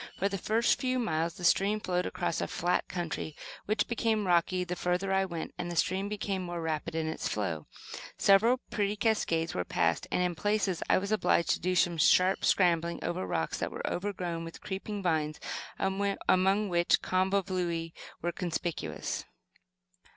For the first few miles the stream flowed across a flat country, which became rocky the further I went, and the stream became more rapid in its flow. Several pretty cascades were passed and, in places, I was obliged to do some sharp scrambling over rocks that were overgrown with creeping vines, among which convolvuli were conspicuous.